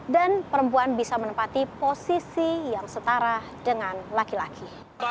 dan perempuan bisa menempati posisi yang setara dengan laki laki